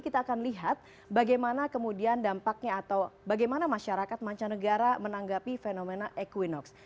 kita akan lihat bagaimana kemudian dampaknya atau bagaimana masyarakat mancanegara menanggapi fenomena equinox